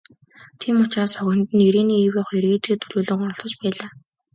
Тийм учраас охид нь, Ирене Эве хоёр ээжийгээ төлөөлөн оролцож байлаа.